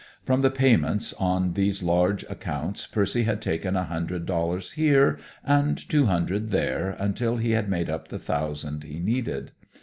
From the payments on these large accounts Percy had taken a hundred dollars here and two hundred there until he had made up the thousand he needed.